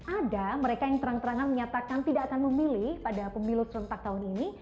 ada mereka yang terang terangan menyatakan tidak akan memilih pada pemilu serentak tahun ini